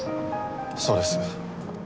そうです。